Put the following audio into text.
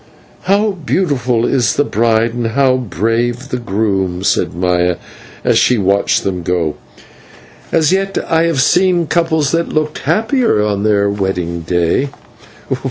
"How beautiful is the bride, and how brave the groom!" said Maya, as she watched them go, "and yet I have seen couples that looked happier on their wedding day.